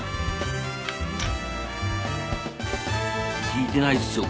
聞いてないですよ